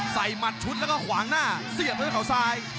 หมัดชุดแล้วก็ขวางหน้าเสียบด้วยเขาซ้าย